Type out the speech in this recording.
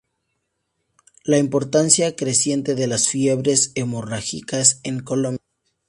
La importancia creciente de las fiebres hemorrágicas en Colombia.